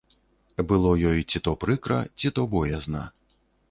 Было ёй ці то прыкра, ці то боязна.